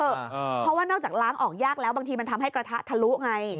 เพราะว่านอกจากล้างออกยากแล้วบางทีมันทำให้กระทะทะลุไง